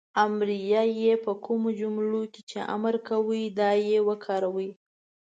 امریه "ئ" په کومو جملو کې چې امر کوی دا "ئ" وکاروئ